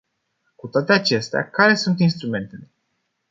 Cu toate acestea, care sunt instrumentele?